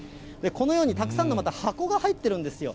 このようにたくさんのまた箱が入ってるんですよ。